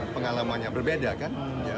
pengalamannya berbeda kan